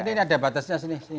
ini ada batasnya sini